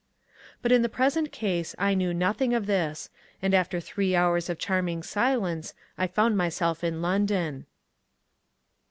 But in the present case I knew nothing of this, and after three hours of charming silence I found myself in London.